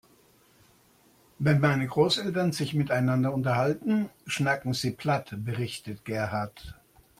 Wenn meine Großeltern sich miteinander unterhalten, schnacken sie platt, berichtet Gerhard.